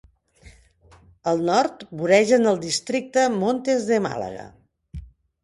Al nord voregen el districte Montes de Málaga.